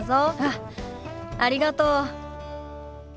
あっありがとう。